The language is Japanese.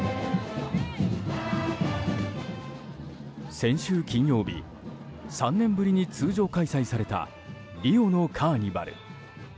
先週金曜日３年ぶりに通常開催されたリオのカーニバル。